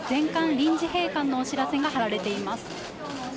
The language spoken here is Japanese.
臨時閉館のお知らせが貼られています。